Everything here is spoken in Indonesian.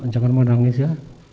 jangan menangis ya